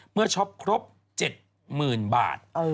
เมื่อช็อปครบ๗๐๐๐๐บาท